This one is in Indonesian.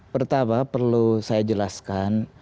pertama perlu saya jelaskan